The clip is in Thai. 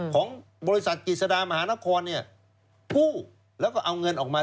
ของบริษัทกิจศาสตร์มหานครกู้แล้วก็เอาเงินออกมา